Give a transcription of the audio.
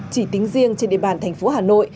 chỉ tính riêng trên địa bàn thành phố hà nội